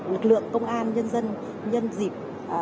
lực lượng công an nhân dân nhân dịp